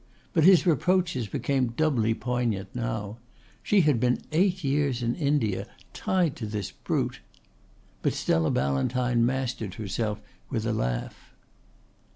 But his reproaches became doubly poignant now. She had been eight years in India, tied to this brute! But Stella Ballantyne mastered herself with a laugh.